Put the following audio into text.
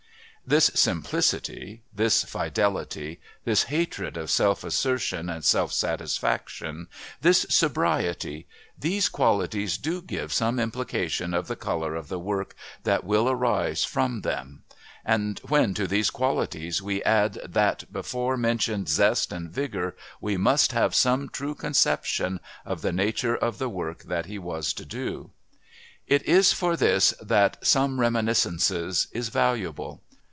This simplicity, this fidelity, this hatred of self assertion and self satisfaction, this sobriety these qualities do give some implication of the colour of the work that will arise from them; and when to these qualities we add that before mentioned zest and vigour we must have some true conception of the nature of the work that he was to do. It is for this that Some Reminiscences is valuable.